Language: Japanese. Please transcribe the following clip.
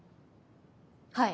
はい。